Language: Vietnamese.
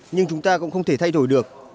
nhưng chúng ta cũng không thể thay đổi được